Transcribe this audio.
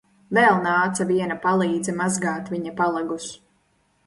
Vēl nāca viena palīdze mazgāt viņa palagus.